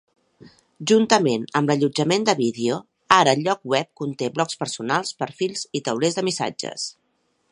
Juntament amb l'allotjament de vídeo, ara el lloc web conté blogs personals, perfils i taulers de missatges.